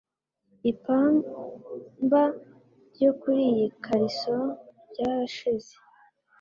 Ipamba ryo kur’iyi kariso ryarashize